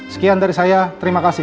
sekian dari saya terima kasih